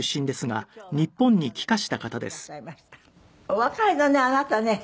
お若いのねあなたね。